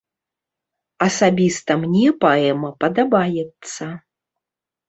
Асабіста мне паэма падабаецца.